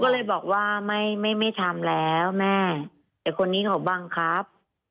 เขาเลยบอกว่าไม่ทำแล้วแม่คนนี้เขาบังคับ